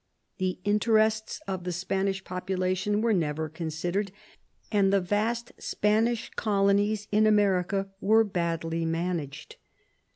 The interests of the Spanish population were never considered, and the vast Spanish colonies in America were badly managed.